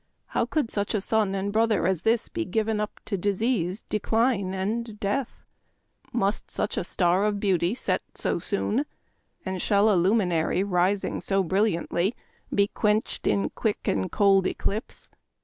How could such a son and brother as this be given up to disease, de cline, and death ! Must such a star of beauty set so soon ? and shall a luminary rising so brilliantly be quenched in quick and cold eclipse